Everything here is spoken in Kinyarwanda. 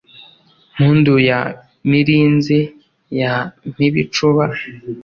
Mpundu ya Mirinzi ya Mpibicuba,